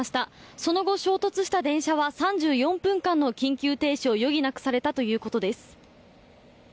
その後、衝突した電車は３４分間の緊急停止を余儀なくされたということです。